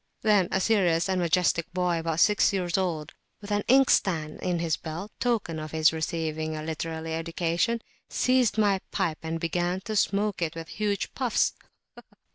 Then a serious and majestic boy about six years old, with an inkstand in his belt, in token of his receiving a literary education, seized my pipe and began to smoke it with huge puffs.